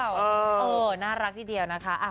เออน่ารักทีเดียวนะคะ